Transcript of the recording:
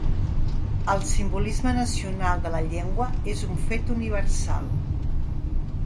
El simbolisme nacional de la llengua és un fet universal.